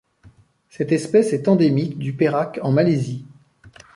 Cette espèce est endémique du Perak en Malaisie.